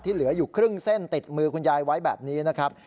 เหลืออยู่ครึ่งเส้นติดมือคุณยายไว้แบบนี้นะครับ